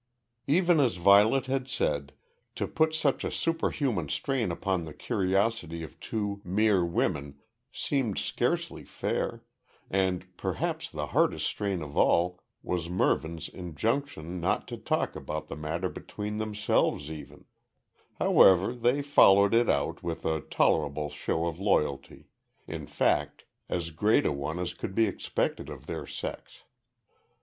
Even as Violet had said, to put such a superhuman strain upon the curiosity of two mere women seemed scarcely fair, and perhaps the hardest strain of all was Mervyn's injunction not to talk about the matter between themselves even; however, they followed it out with a tolerable show of loyalty; in fact, as great a one as could be expected of their sex.